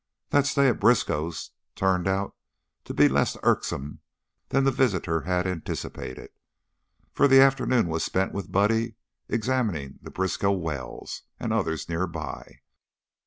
That stay at the Briskows' turned out to be less irksome than the visitor had anticipated, for the afternoon was spent with Buddy examining the Briskow wells and others near by.